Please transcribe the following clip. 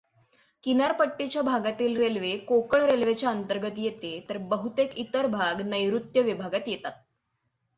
किनारपट्टीच्या भागातील रेल्वे कोकण रेल्वेच्या अंतर्गत येते तर बहुतेक इतर भाग नैरुत्य विभागात येतात.